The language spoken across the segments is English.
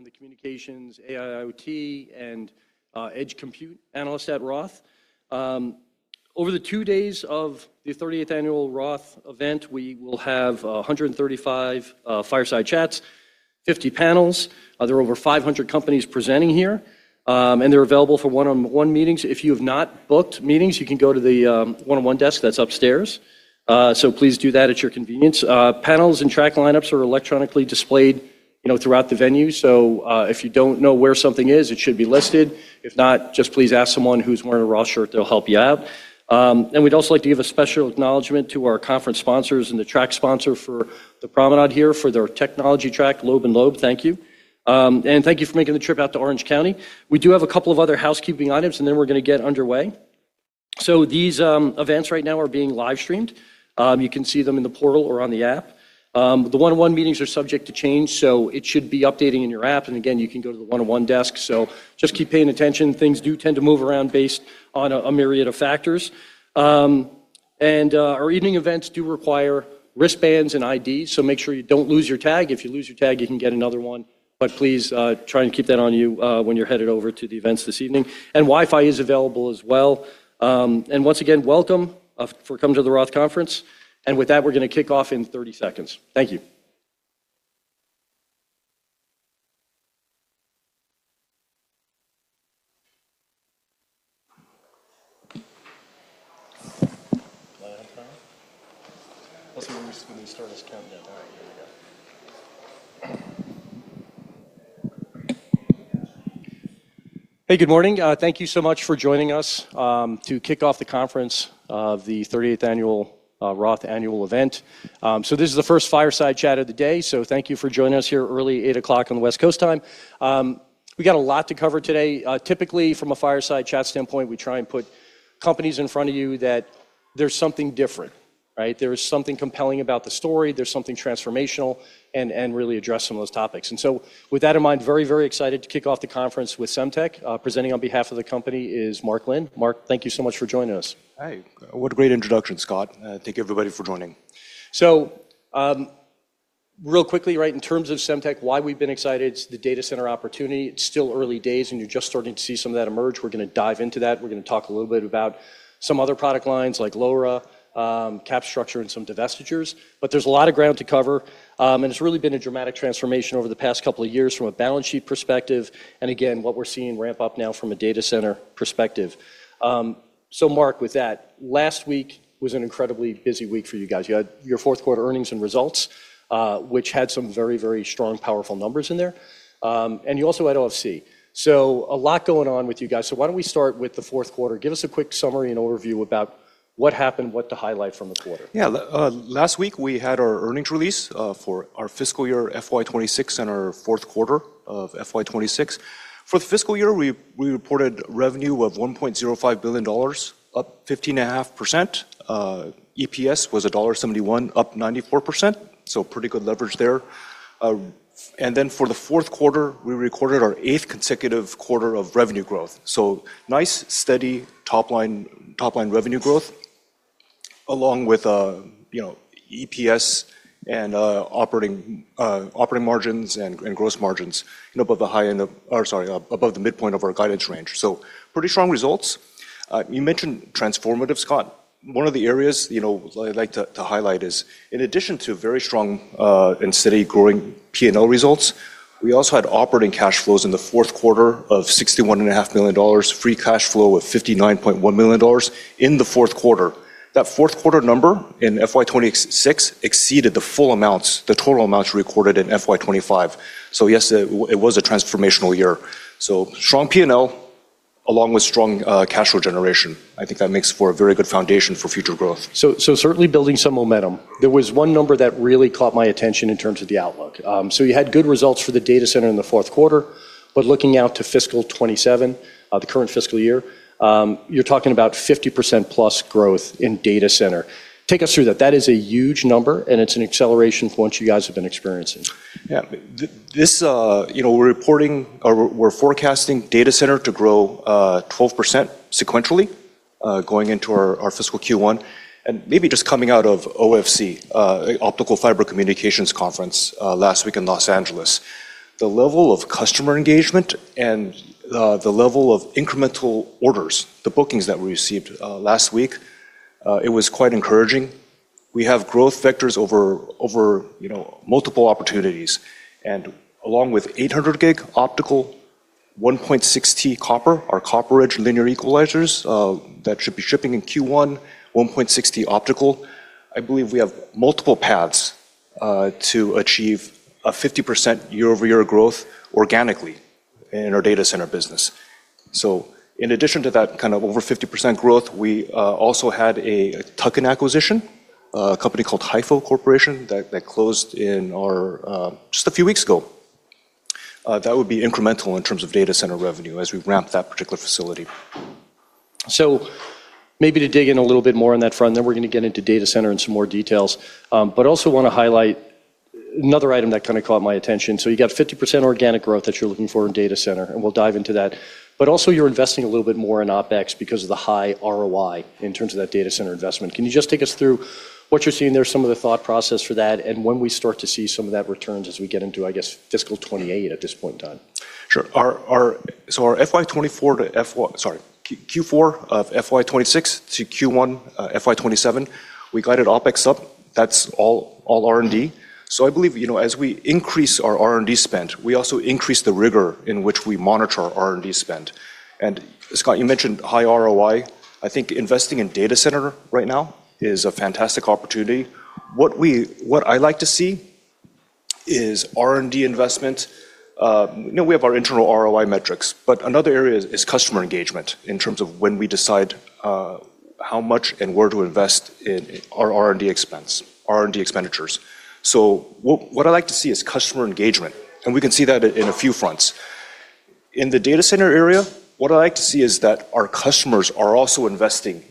I'm the Communications AIoT and Edge Compute Analyst at Roth. Over the two days of the 30th annual Roth event, we will have 135 fireside chats, 50 panels. There are over 500 companies presenting here, and they're available for one-on-one meetings. If you have not booked meetings, you can go to the one-on-one desk that's upstairs. Please do that at your convenience. Panels and track lineups are electronically displayed, you know, throughout the venue. If you don't know where something is, it should be listed. If not, just please ask someone who's wearing a Roth shirt, they'll help you out. We'd also like to give a special acknowledgement to our conference sponsors and the track sponsor for the promenade here for their technology track, Loeb & Loeb. Thank you. Thank you for making the trip out to Orange County. We do have a couple of other housekeeping items, and then we're gonna get underway. These events right now are being live-streamed. You can see them in the portal or on the app. The one-on-one meetings are subject to change, so it should be updating in your app. Again, you can go to the one-on-one desk. Just keep paying attention. Things do tend to move around based on a myriad of factors. Our evening events do require wristbands and IDs, so make sure you don't lose your tag. If you lose your tag, you can get another one. Please try and keep that on you when you're headed over to the events this evening. Wi-Fi is available as well. Once again, welcome for coming to the ROTH Conference. With that, we're gonna kick off in 30 seconds. Thank you. Hey, good morning. Thank you so much for joining us to kick off the conference of the 30th annual ROTH annual event. This is the first fireside chat of the day, so thank you for joining us here early, 8:00 A.M. on the West Coast time. We got a lot to cover today. Typically, from a fireside chat standpoint, we try and put companies in front of you that there's something different, right? There's something compelling about the story, there's something transformational, and really address some of those topics. With that in mind, very, very excited to kick off the conference with Semtech. Presenting on behalf of the company is Mark Lin. Mark, thank you so much for joining us. Hi. What a great introduction, Scott. Thank you, everybody, for joining. Real quickly, right? In terms of Semtech, why we've been excited, it's the data center opportunity. It's still early days, and you're just starting to see some of that emerge. We're gonna dive into that. We're gonna talk a little bit about some other product lines like LoRa, capital structure and some divestitures. There's a lot of ground to cover, and it's really been a dramatic transformation over the past couple of years from a balance sheet perspective, and again, what we're seeing ramp up now from a data center perspective. So Mark, with that, last week was an incredibly busy week for you guys. You had your fourth quarter earnings and results, which had some very, very strong, powerful numbers in there. You also had OFC. A lot going on with you guys. Why don't we start with the fourth quarter? Give us a quick summary and overview about what happened, what the highlight from the quarter. Yeah, last week we had our earnings release for our fiscal year, FY 2026, and our fourth quarter of FY 2026. For the fiscal year, we reported revenue of $1.05 billion, up 15.5%. EPS was $1.71, up 94%, so pretty good leverage there. For the fourth quarter, we recorded our eighth consecutive quarter of revenue growth. Nice, steady top line revenue growth along with, you know, EPS and operating margins and gross margins above the midpoint of our guidance range. Pretty strong results. You mentioned transformative, Scott. One of the areas, you know, I'd like to highlight is in addition to very strong and steady growing P&L results, we also had operating cash flows in the fourth quarter of $61.5 million, free cash flow of $59.1 million in the fourth quarter. That fourth quarter number in FY 2026 exceeded the full amounts, the total amounts recorded in FY 2025. Yes, it was a transformational year. Strong P&L along with strong cash flow generation. I think that makes for a very good foundation for future growth. Certainly building some momentum. There was one number that really caught my attention in terms of the outlook. You had good results for the data center in the fourth quarter, but looking out to fiscal 2027, the current fiscal year, you're talking about 50%+ growth in data center. Take us through that. That is a huge number, and it's an acceleration from what you guys have been experiencing. Yeah. This, you know, we're forecasting data center to grow 12% sequentially going into our fiscal Q1. Maybe just coming out of OFC, Optical Fiber Communications conference last week in Los Angeles. The level of customer engagement and the level of incremental orders, the bookings that we received last week, it was quite encouraging. We have growth vectors over you know multiple opportunities. Along with 800 gig optical, 1.6 T copper, our CopperEdge linear equalizers that should be shipping in Q1, 1.6 T optical. I believe we have multiple paths to achieve a 50% year-over-year growth organically in our data center business. In addition to that kind of over 50% growth, we also had a tuck-in acquisition, a company called HieFo Corporation that closed in our just a few weeks ago. That would be incremental in terms of data center revenue as we ramp that particular facility. Maybe to dig in a little bit more on that front, then we're gonna get into data center in some more details. Also wanna highlight another item that kind of caught my attention. You got 50% organic growth that you're looking for in data center, and we'll dive into that. Also, you're investing a little bit more in OpEx because of the high ROI in terms of that data center investment. Can you just take us through what you're seeing there, some of the thought process for that, and when we start to see some of that returns as we get into, I guess, fiscal 2028 at this point in time? Sure. Our Q4 of FY 2026 to Q1 FY 2027, we guided OpEx up. That's all R&D. I believe, you know, as we increase our R&D spend, we also increase the rigor in which we monitor our R&D spend. Scott, you mentioned high ROI. I think investing in data center right now is a fantastic opportunity. What I like to see is R&D investment. You know, we have our internal ROI metrics, but another area is customer engagement in terms of when we decide how much and where to invest in our R&D expense, R&D expenditures. What I like to see is customer engagement, and we can see that in a few fronts. In the data center area, what I like to see is that our customers are also investing in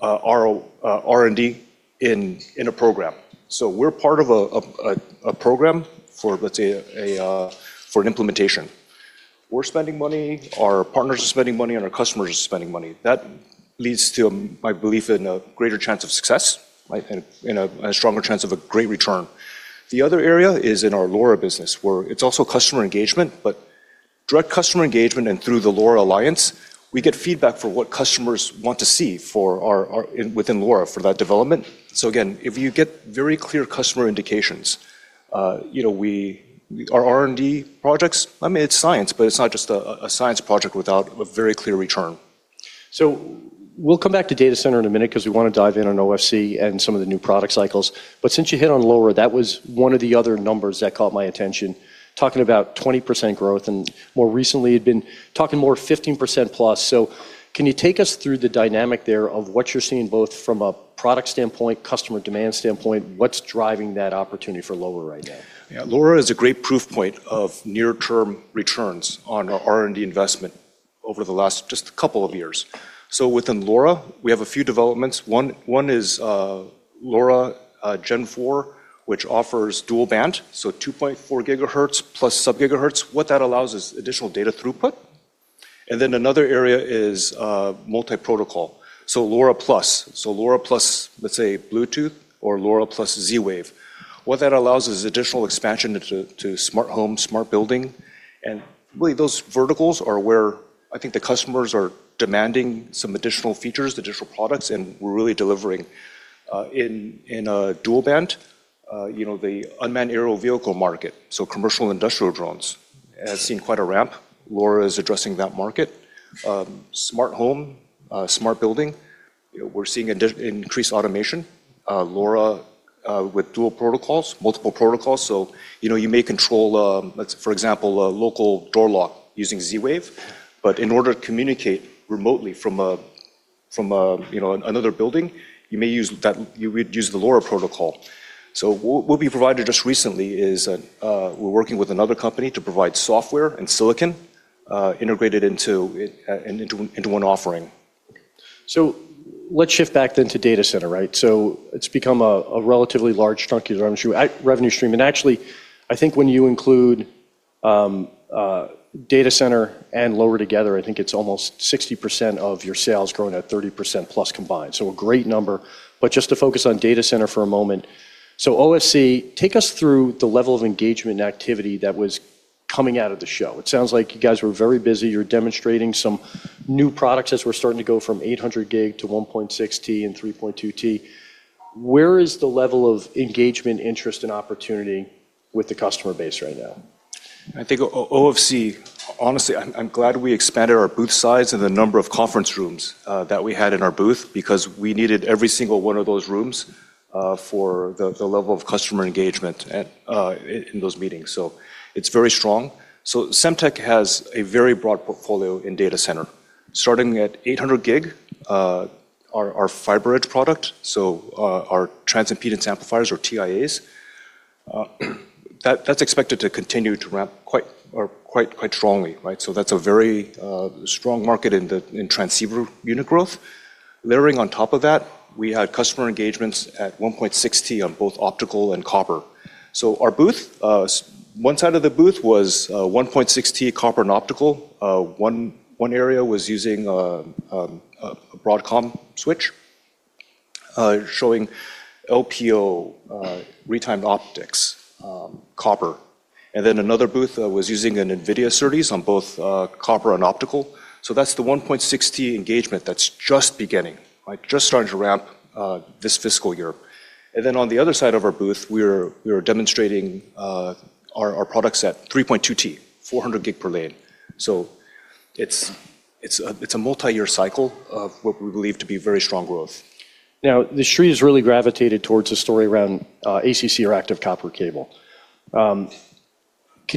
our R&D in a program. We're part of a program for, let's say, an implementation. We're spending money, our partners are spending money, and our customers are spending money. That leads to my belief in a greater chance of success right, a stronger chance of a great return. The other area is in our LoRa business, where it's also customer engagement, but direct customer engagement and through the LoRa Alliance, we get feedback for what customers want to see within LoRa for that development. Again, if you get very clear customer indications, you know, we, our R&D projects, I mean, it's science, but it's not just a science project without a very clear return. We'll come back to data center in a minute because we want to dive in on OFC and some of the new product cycles. Since you hit on LoRa, that was one of the other numbers that caught my attention, talking about 20% growth, and more recently, you've been talking more 15% plus. Can you take us through the dynamic there of what you're seeing both from a product standpoint, customer demand standpoint, what's driving that opportunity for LoRa right now? Yeah. LoRa is a great proof point of near-term returns on our R&D investment over the last just couple of years. Within LoRa, we have a few developments. One is LoRa Gen 4, which offers dual band, so 2.4 gigahertz plus sub-gigahertz. What that allows is additional data throughput. Another area is multi-protocol, so LoRa Plus. LoRa Plus, let's say, Bluetooth or LoRa Plus Z-Wave. What that allows is additional expansion into smart home, smart building. Really, those verticals are where I think the customers are demanding some additional features, additional products, and we're really delivering. In dual band, you know, the unmanned aerial vehicle market, so commercial and industrial drones, has seen quite a ramp. LoRa is addressing that market. Smart home, smart building, you know, we're seeing increased automation. LoRa with dual protocols, multiple protocols. You know, you may control, let's for example, a local door lock using Z-Wave, but in order to communicate remotely from a you know another building, you would use the LoRa protocol. What we provided just recently is that we're working with another company to provide software and silicon integrated into it into one offering. Let's shift back then to data center, right? It's become a relatively large chunk of revenue stream. Actually, I think when you include data center and LoRa together, I think it's almost 60% of your sales growing at 30% plus combined. A great number. Just to focus on data center for a moment. OFC, take us through the level of engagement and activity that was coming out of the show. It sounds like you guys were very busy. You're demonstrating some new products as we're starting to go from 800 gig to 1.6 T and 3.2 T. Where is the level of engagement, interest, and opportunity with the customer base right now? I think OFC, honestly, I'm glad we expanded our booth size and the number of conference rooms that we had in our booth because we needed every single one of those rooms for the level of customer engagement in those meetings. It's very strong. Semtech has a very broad portfolio in data center, starting at 800 gig, our FiberEdge product, so our transimpedance amplifiers or TIAs. That's expected to continue to ramp quite strongly, right? That's a very strong market in the transceiver unit growth. Layering on top of that, we had customer engagements at 1.6 T on both optical and copper. Our booth, one side of the booth was 1.6 T copper and optical. One area was using a Broadcom switch showing LPO retimed optics copper. Another booth was using an NVIDIA Spectrum on both copper and optical. That's the 1.6 T engagement that's just beginning, right? Just starting to ramp this fiscal year. On the other side of our booth, we were demonstrating our products at 3.2 T, 400 gig per lane. It's a multi-year cycle of what we believe to be very strong growth. Now, the street has really gravitated towards the story around ACC or active copper cable. Can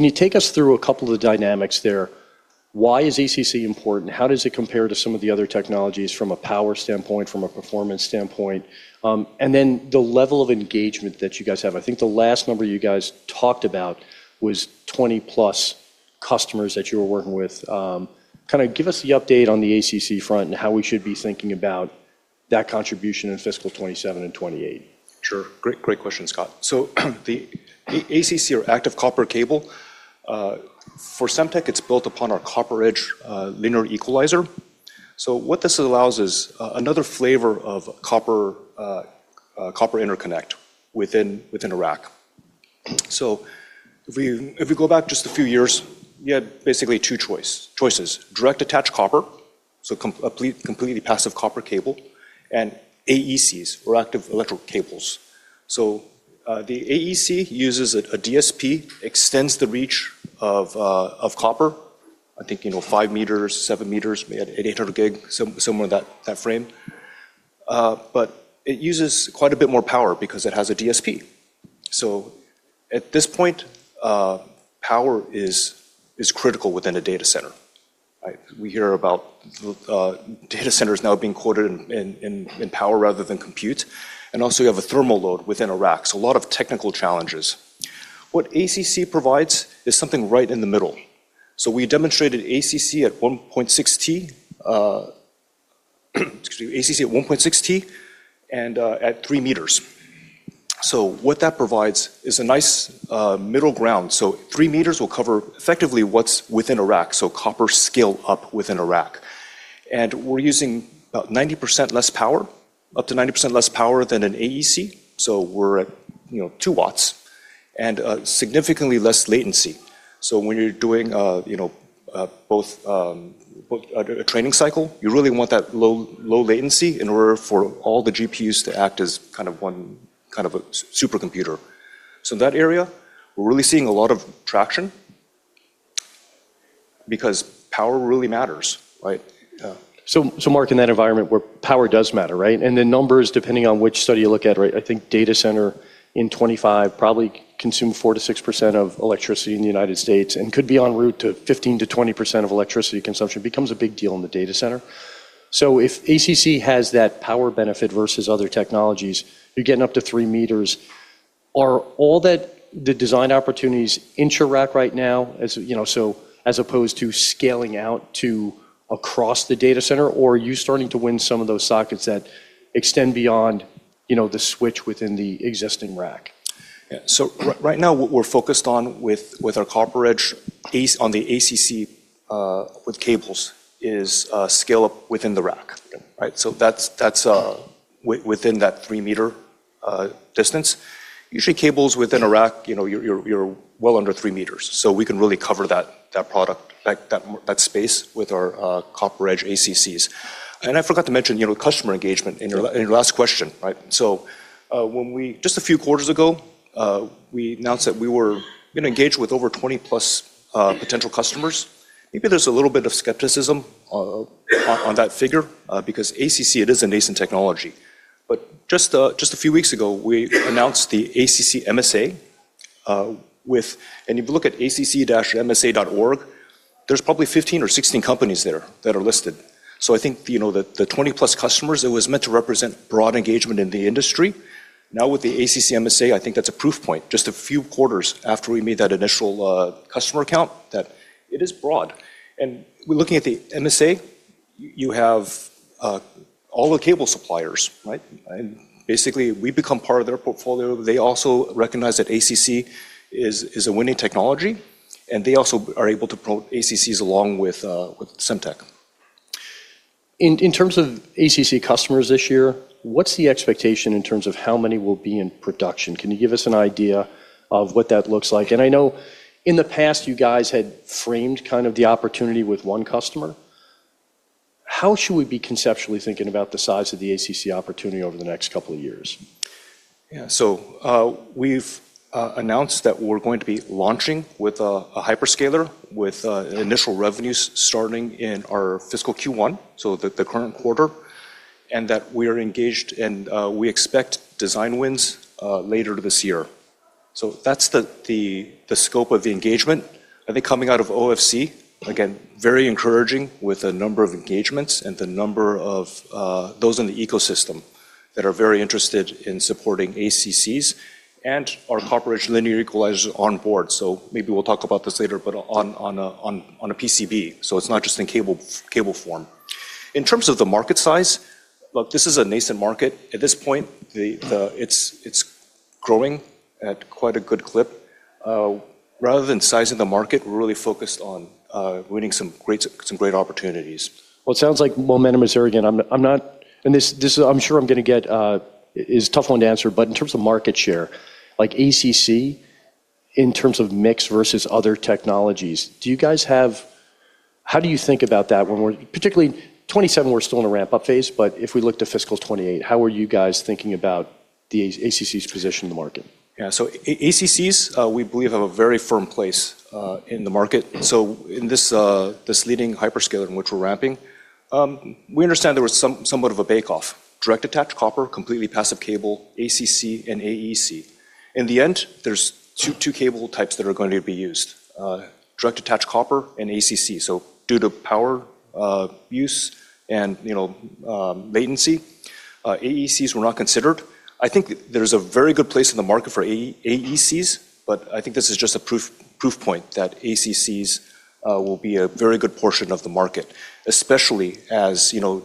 you take us through a couple of the dynamics there? Why is ACC important? How does it compare to some of the other technologies from a power standpoint, from a performance standpoint? And then the level of engagement that you guys have. I think the last number you guys talked about was 20+ customers that you were working with. Kind of give us the update on the ACC front and how we should be thinking about that contribution in fiscal 2027 and 2028. Sure. Great question, Scott. The ACC or active copper cable for Semtech, it's built upon our CopperEdge linear equalizer. What this allows is another flavor of copper interconnect within a rack. If we go back just a few years, you had basically two choices, direct attach copper, so completely passive copper cable, and AECs or active electrical cables. The AEC uses a DSP, extends the reach of copper, I think, you know, 5 m, 7 m, at 800 gig, somewhere in that frame. It uses quite a bit more power because it has a DSP. At this point, power is critical within a data center, right? We hear about the data centers now being quoted in power rather than compute. You have a thermal load within a rack. A lot of technical challenges. What ACC provides is something right in the middle. We demonstrated ACC at 1.6 T and at 3 m. What that provides is a nice middle ground. Three meters will cover effectively what's within a rack, so copper scale up within a rack. We're using about 90% less power, up to 90% less power than an AEC, so we're at, you know, 2 watts, and significantly less latency. When you're doing, you know, both. A training cycle, you really want that low, low latency in order for all the GPUs to act as kind of one, kind of a super computer. In that area, we're really seeing a lot of traction because power really matters, right? Yeah. Mark, in that environment where power does matter, right? The numbers, depending on which study you look at, right, I think data center in 2025 probably consume 4%-6% of electricity in the United States and could be en route to 15%-20% of electricity consumption, becomes a big deal in the data center. If ACC has that power benefit versus other technologies, you're getting up to 3 m. Are all that, the design opportunities inter-rack right now, as you know, so as opposed to scaling out to across the data center, or are you starting to win some of those sockets that extend beyond, you know, the switch within the existing rack? Right now what we're focused on with our CopperEdge on the ACC with cables is scale up within the rack. Okay. Right? That's within that 3 m distance. Usually cables within a rack, you know, you're well under 3 meters. We can really cover that product, that space with our CopperEdge ACCs. I forgot to mention, you know, customer engagement in your last question, right? Just a few quarters ago, we announced that we had been engaged with over 20+ potential customers. Maybe there's a little bit of skepticism on that figure because ACC, it is a nascent technology. Just a few weeks ago, we announced the ACC MSA. If you look at acc-msa.org, there's probably 15 or 16 companies there that are listed. I think, you know, the 20+ customers, it was meant to represent broad engagement in the industry. Now with the ACC MSA, I think that's a proof point, just a few quarters after we made that initial customer count, that it is broad. We're looking at the MSA, you have all the cable suppliers, right? Basically, we become part of their portfolio. They also recognize that ACC is a winning technology, and they also are able to promote ACCs along with Semtech. In terms of ACC customers this year, what's the expectation in terms of how many will be in production? Can you give us an idea of what that looks like? I know in the past you guys had framed kind of the opportunity with one customer. How should we be conceptually thinking about the size of the ACC opportunity over the next couple of years? Yeah. We've announced that we're going to be launching with a hyperscaler with initial revenues starting in our fiscal Q1, so the current quarter, and that we are engaged and we expect design wins later this year. That's the scope of the engagement. I think coming out of OFC, again, very encouraging with the number of engagements and the number of those in the ecosystem that are very interested in supporting ACCs and our CopperEdge linear equalizers on board. Maybe we'll talk about this later, but on a PCB, so it's not just in cable form. In terms of the market size, look, this is a nascent market. At this point, it's growing at quite a good clip. Rather than sizing the market, we're really focused on winning some great opportunities. Well, it sounds like momentum is there. Again, I'm not sure. This is a tough one to answer, but in terms of market share, like ACC in terms of mix versus other technologies, how do you think about that? Particularly 2027, we're still in a ramp-up phase, but if we look to fiscal 2028, how are you guys thinking about the ACC's position in the market? Yeah. ACCs we believe have a very firm place in the market. In this leading hyperscaler in which we're ramping, we understand there was somewhat of a bake-off, direct attach copper, completely passive cable, ACC, and AEC. In the end, there's two cable types that are going to be used, direct attach copper and ACC. Due to power use and, you know, latency, AECs were not considered. I think there's a very good place in the market for AECs, but I think this is just a proof point that ACCs will be a very good portion of the market, especially as, you know,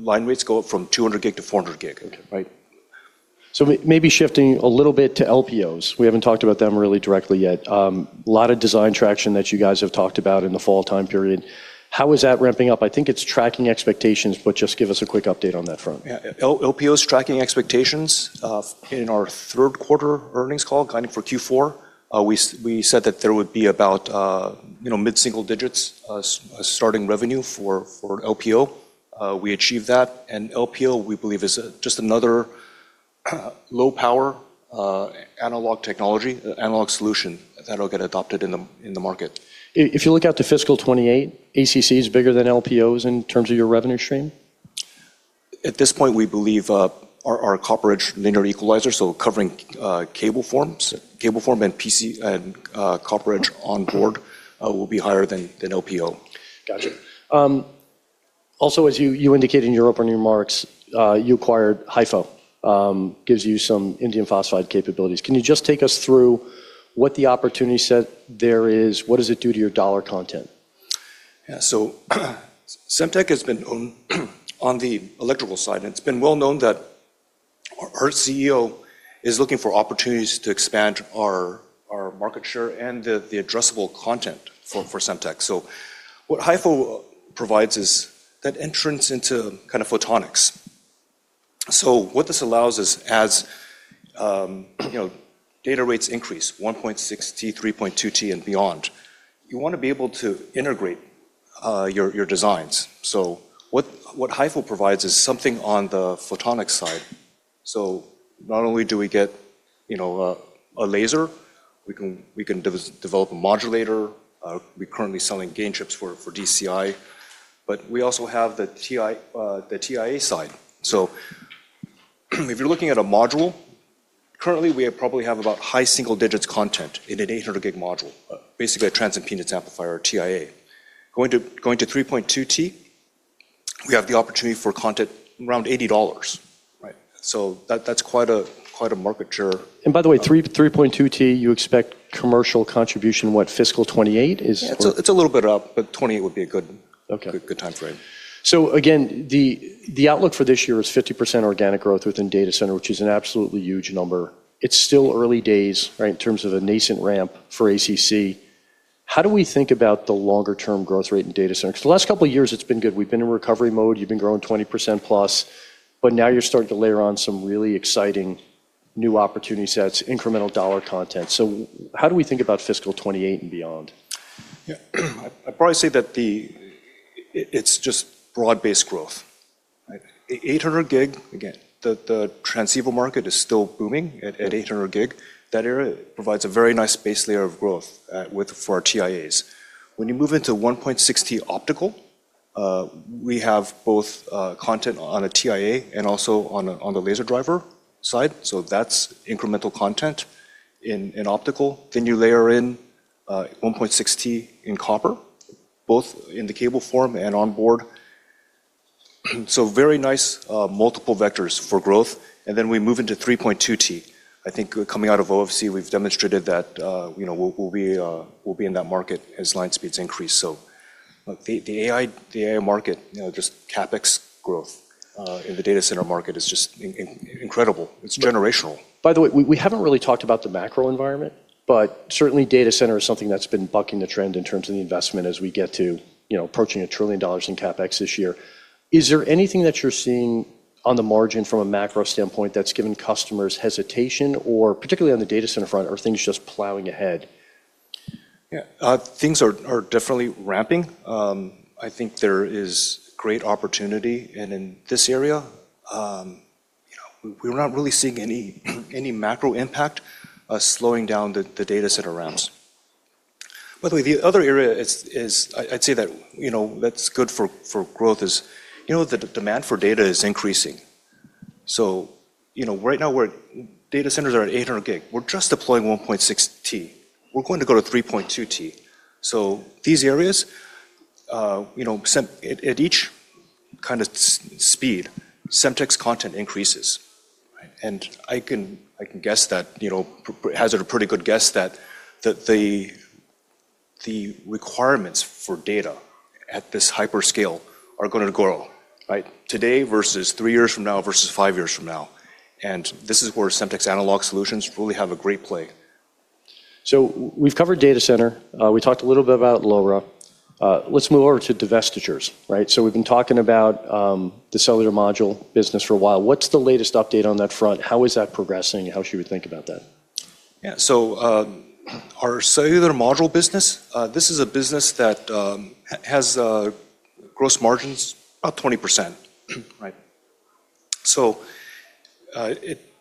line rates go up from 200 gig to 400 gig. Okay. Right? Maybe shifting a little bit to LPOs. We haven't talked about them really directly yet. A lot of design traction that you guys have talked about in the fall time period. How is that ramping up? I think it's tracking expectations, but just give us a quick update on that front. Yeah. LPO's tracking expectations. In our third quarter earnings call, guiding for Q4, we said that there would be about, you know, mid-single digits starting revenue for LPO. We achieved that, and LPO, we believe, is just another low power analog solution that'll get adopted in the market. If you look out to fiscal 2028, ACC is bigger than LPOs in terms of your revenue stream? At this point, we believe our CopperEdge linear equalizer, covering cable form and PCB and CopperEdge on board, will be higher than LPO. Gotcha. Also, as you indicated in your opening remarks, you acquired HieFo, gives you some indium phosphide capabilities. Can you just take us through what the opportunity set there is? What does it do to your dollar content? Yeah. Semtech has been on the electrical side, and it's been well known that our CEO is looking for opportunities to expand our market share and the addressable content for Semtech. What HieFo provides is that entrance into kind of photonics. What this allows is as you know, data rates increase 1.6 T, 3.2 T and beyond, you wanna be able to integrate your designs. What HieFo provides is something on the photonics side. Not only do we get you know, a laser, we can develop a modulator. We're currently selling gain chips for DCI. But we also have the TIA side. If you're looking at a module, currently we probably have about high single digits content in an 800G module, basically a transimpedance amplifier or TIA. Going to 3.2T, we have the opportunity for content around $80. Right. That's quite a market share. By the way, 3.2 T, you expect commercial contribution, what, FY 2028 is- Yeah. It's a little bit up, but 2028 would be a good- Okay Good time frame. Again, the outlook for this year is 50% organic growth within data center, which is an absolutely huge number. It's still early days, right, in terms of a nascent ramp for ACC. How do we think about the longer term growth rate in data center? 'Cause the last couple of years it's been good. We've been in recovery mode. You've been growing 20%+, but now you're starting to layer on some really exciting new opportunity sets, incremental dollar content. How do we think about FY 2028 and beyond? Yeah. I'd probably say that it's just broad-based growth, right? 800 gig, again, the transceiver market is still booming at 800 gig. That area provides a very nice base layer of growth with for our TIAs. When you move into 1.6 T optical, we have both content on a TIA and also on the laser driver side. So that's incremental content in optical. Then you layer in 1.6 T in copper, both in the cable form and on board. So very nice multiple vectors for growth. Then we move into 3.2 T. I think coming out of OFC, we've demonstrated that, you know, we'll be in that market as line speeds increase. The AI market, you know, just CapEx growth in the data center market is just incredible. It's generational. By the way, we haven't really talked about the macro environment, but certainly data center is something that's been bucking the trend in terms of the investment as we get to, you know, approaching a trillion dollars in CapEx this year. Is there anything that you're seeing on the margin from a macro standpoint that's given customers hesitation, or particularly on the data center front, are things just plowing ahead? Things are definitely ramping. I think there is great opportunity. In this area, you know, we're not really seeing any macro impact slowing down the data center ramps. By the way, the other area is I'd say that, you know, that's good for growth is, you know, the demand for data is increasing. You know, right now data centers are at 800 gig. We're just deploying 1.6 T. We're going to go to 3.2 T. These areas, you know, at each kind of speed, Semtech's content increases. Right. I can guess that, you know, hazard a pretty good guess that the requirements for data at this hyper scale are gonna grow, right? Today versus three years from now versus five years from now. This is where Semtech's analog solutions really have a great play. We've covered data center. We talked a little bit about LoRa. Let's move over to divestitures, right? We've been talking about the cellular module business for a while. What's the latest update on that front? How is that progressing? How should we think about that? Yeah. Our cellular module business, this is a business that has gross margins about 20%, right? It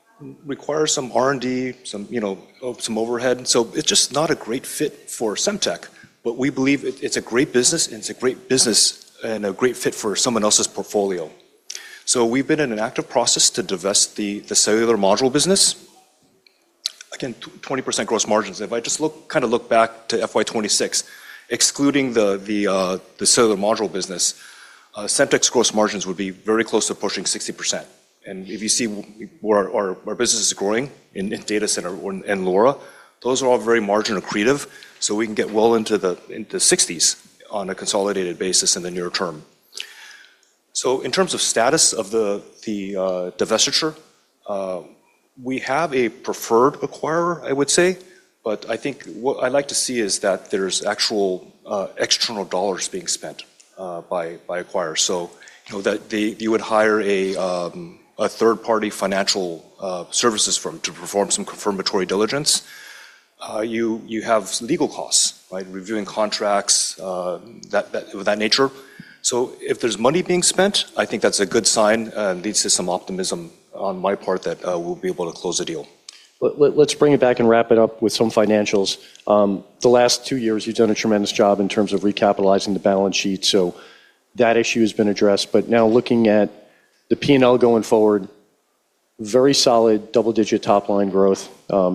requires some R&D, you know, some overhead. It's just not a great fit for Semtech. We believe it's a great business and a great fit for someone else's portfolio. We've been in an active process to divest the cellular module business. Again, 20% gross margins. If I just kind of look back to FY 2026, excluding the cellular module business, Semtech's gross margins would be very close to pushing 60%. If you see where our business is growing in data center and LoRa, those are all very margin accretive, so we can get well into the 60s% on a consolidated basis in the near term. In terms of status of the divestiture, we have a preferred acquirer, I would say. But I think what I like to see is that there's actual external dollars being spent by acquirers. You know, that they you would hire a third-party financial services firm to perform some confirmatory diligence. You have legal costs, right? Reviewing contracts, that of that nature. If there's money being spent, I think that's a good sign and leads to some optimism on my part that we'll be able to close the deal. Let's bring it back and wrap it up with some financials. The last two years you've done a tremendous job in terms of recapitalizing the balance sheet, so that issue has been addressed. Now looking at the P&L going forward, very solid double-digit top-line growth,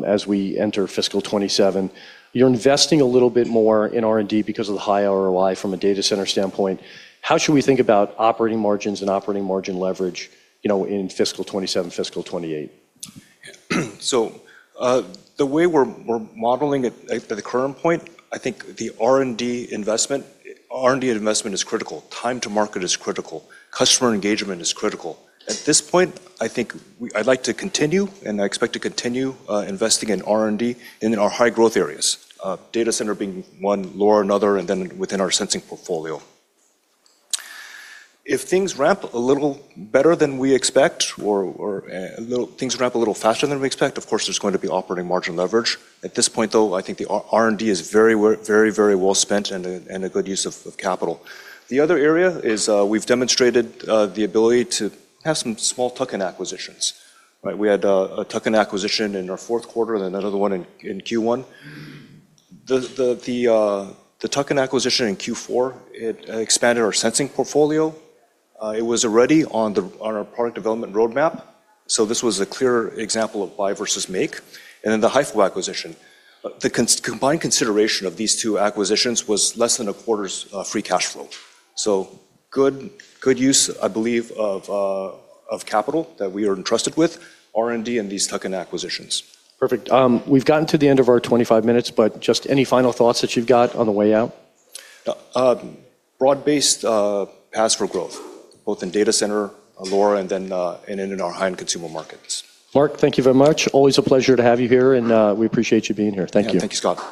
as we enter fiscal 2027. You're investing a little bit more in R&D because of the high ROI from a data center standpoint. How should we think about operating margins and operating margin leverage, you know, in fiscal 2027, fiscal 2028? The way we're modeling it at the current point, I think the R&D investment is critical. Time to market is critical. Customer engagement is critical. At this point, I think I'd like to continue, and I expect to continue, investing in R&D in our high-growth areas, data center being one, LoRa another, and then within our sensing portfolio. If things ramp a little better than we expect or things ramp a little faster than we expect, of course, there's going to be operating margin leverage. At this point, though, I think the R&D is very, very well spent and a good use of capital. The other area is, we've demonstrated the ability to have some small tuck-in acquisitions, right? We had a tuck-in acquisition in our fourth quarter and another one in Q1. The tuck-in acquisition in Q4 expanded our sensing portfolio. It was already on our product development roadmap, so this was a clear example of buy versus make. The HieFo acquisition. The combined consideration of these two acquisitions was less than a quarter's free cash flow. Good use, I believe, of capital that we are entrusted with, R&D, and these tuck-in acquisitions. Perfect. We've gotten to the end of our 25 minutes, but just any final thoughts that you've got on the way out? Broad-based paths for growth, both in data center, LoRa, and in our high-end consumer markets. Mark, thank you very much. Always a pleasure to have you here, and we appreciate you being here. Thank you. Yeah. Thank you, Scott.